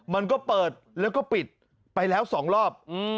มันก็เปิดแล้วก็ปิดไปแล้ว๒รอบ